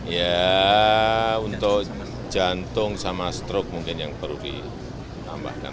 ya untuk jantung sama stroke mungkin yang perlu ditambahkan